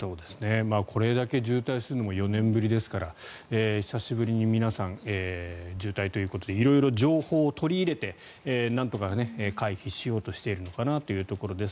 これだけ渋滞するのも４年ぶりですから久しぶりに皆さん、渋滞ということで色々情報を取り入れてなんとか回避しようとしているのかなというところです。